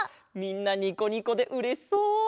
みんなニコニコでうれしそう！